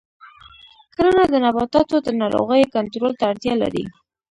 کرنه د نباتاتو د ناروغیو کنټرول ته اړتیا لري.